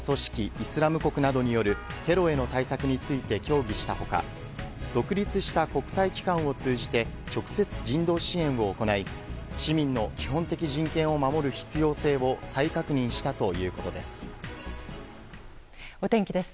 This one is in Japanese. イスラム国などによるテロへの対策について協議した他独立した国際機関を通じて直接、人道支援を行い市民の基本的人権を守る必要性を再確認したということです。